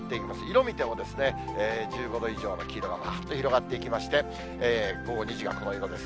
色見ても、１５度以上の黄色がぱーっと広がっていきまして、午後２時がこの色です。